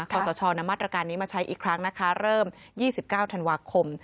ขอสชนำมาตรการนี้มาใช้อีกครั้งนะคะเริ่ม๒๙ธันวาคม